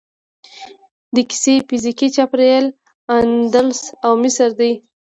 د کیسې فزیکي چاپیریال اندلس او مصر دی.